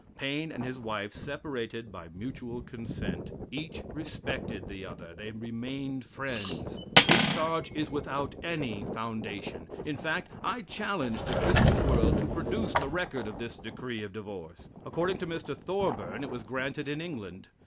Paine and his wife separated by mutual consent. Each respected the other. They remained friends. This charge is without any foundation. In fact, I challenge the Christian world to produce the record of this decree of divorce. According to Mr. Thorburn, it was granted in England.